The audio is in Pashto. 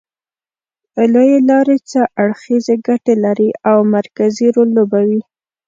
لوېې لارې څو اړخیزې ګټې لري او مرکزي رول لوبوي